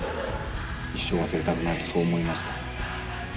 一生忘れたくないとそう思いました。